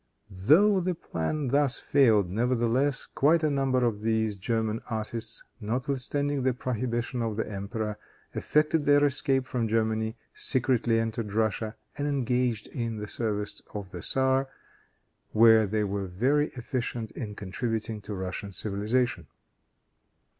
Though the plan thus failed, nevertheless, quite a number of these German artists, notwithstanding the prohibition of the emperor, effected their escape from Germany, secretly entered Russia, and engaged in the service of the tzar, were they were very efficient in contributing to Russian civilization.